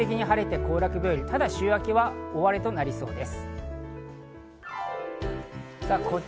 週明けは大荒れとなりそうです。